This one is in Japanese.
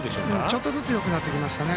ちょっとずつよくなってきましたね。